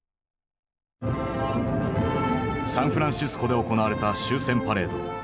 サンフランシスコで行われた終戦パレード。